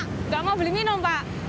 pak gak mau beli minum pak